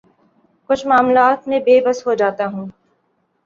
کچھ معاملات میں بے بس ہو جاتا ہوں